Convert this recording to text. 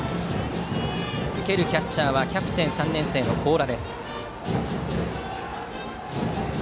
受けるキャッチャーはキャプテン、３年生の高良。